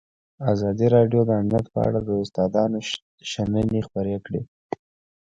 ازادي راډیو د امنیت په اړه د استادانو شننې خپرې کړي.